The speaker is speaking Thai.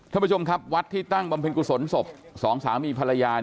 ท่านผู้ชมครับวัดที่ตั้งบำเพ็ญกุศลศพสองสามีภรรยา